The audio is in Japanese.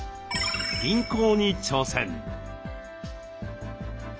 輪行に挑戦。